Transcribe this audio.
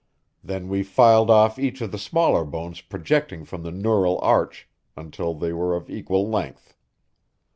Then we filed off each of the smaller bones projecting from the neural arch until they were of equal length.